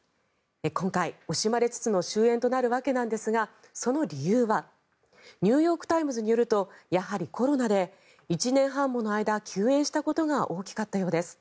今回、惜しまれつつの終演となるわけですがその理由はニューヨーク・タイムズによるとやはりコロナで１年半もの間休演したことが大きかったようです。